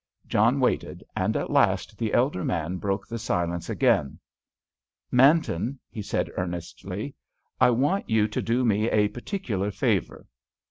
John waited, and at last the elder man broke the silence again: "Manton," he said earnestly, "I want you to do me a particular favour."